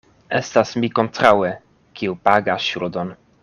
Estas mi kontraŭe, kiu pagas ŝuldon.